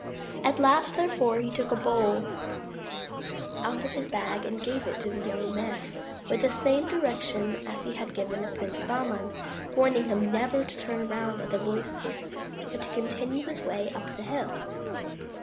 At last, therefore, he took a bowl out of his bag and gave it to the young man, with the same directions as he had given Prince Bahman, warning him never to turn around at the voices but to continue his way up the hill.